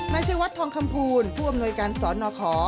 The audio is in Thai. นายเชียวัดทองคำพูลผู้อำนวยการสอนนอคอ